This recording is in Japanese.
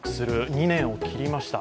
２年を切りました。